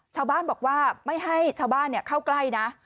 ชาวบ้านบอกว่าไม่ให้ชาวบ้านเข้าใกล้นะ